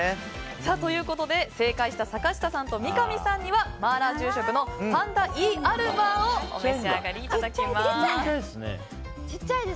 ということで正解した坂下さんと三上さんには麻辣十食のパンダイーアルバーをお召し上がりいただきます。